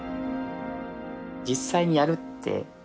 実際にやるって